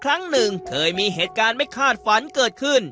ครั้งหนึ่งเคยมีเหตุการณ์ไม่คาดฝันเกิดขึ้น